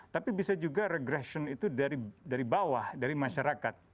tapi bisa juga regression itu dari bawah dari masyarakat